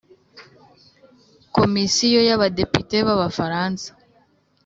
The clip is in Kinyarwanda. komisiyo y ababadepite b Abafaransa